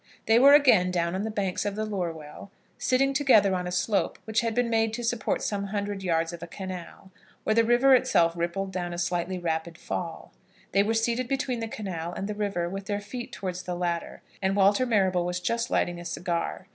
They were again down on the banks of the Lurwell, sitting together on a slope which had been made to support some hundred yards of a canal, where the river itself rippled down a slightly rapid fall. They were seated between the canal and the river, with their feet towards the latter, and Walter Marrable was just lighting a cigar.